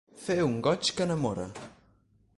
Fer un goig que enamora.